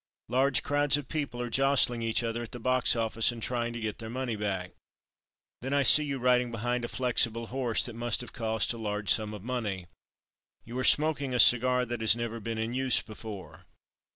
Large crowds of people are jostling each other at the box office and trying to get their money back. "Then I see you riding behind a flexible horse that must have cost a large sum of money. You are smoking a cigar that has never been in use before.